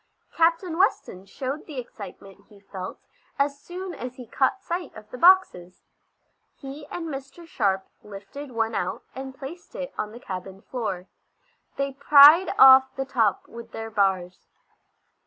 Captain Weston showed the excitement he felt as soon as he caught sight of the boxes. He and Mr. Sharp lifted one out, and placed it on the cabin floor. They pried off the top with their bars.